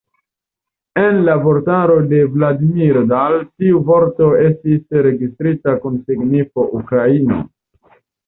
En la vortaro de Vladimir Dal tiu vorto estis registrita kun signifo "ukraino".